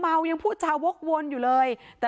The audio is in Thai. ไปโบกรถจักรยานยนต์ของชาวอายุขวบกว่าเองนะคะ